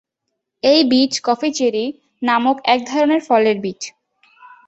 এই বীজ coffee cherry নামক এক ধরনের ফলের বীজ।